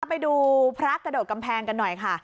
ไปดูพระกระโดดกำแพงกันหน่อยค่ะ